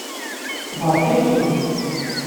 Beṛka-kem.